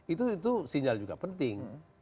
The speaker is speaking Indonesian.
itu sinyal juga penting